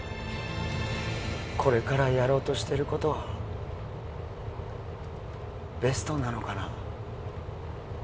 これからやろうとしてることはベストなのかな